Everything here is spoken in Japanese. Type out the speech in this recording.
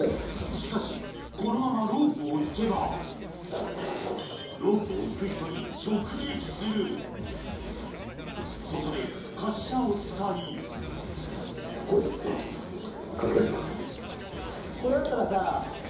しかしこのままロープを引けばロープを引く人に直撃するそこで滑車を使いここに掛けると。